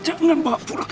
jangan bawa pulang